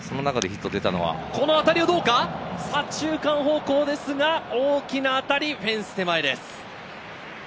この当たりはどうか左中間方向ですが、大きな当たり、フェンス手前です。